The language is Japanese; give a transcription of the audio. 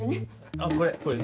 あっこれね。